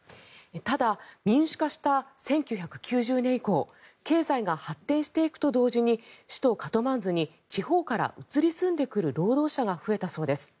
ただ、民主化した１９９０年以降経済が発展していくと同時に首都カトマンズに地方から移り住んでくる労働者が増えたそうです。